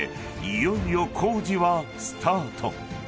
いよいよ工事はスタート］